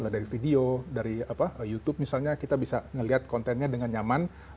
dari video dari youtube misalnya kita bisa melihat kontennya dengan nyaman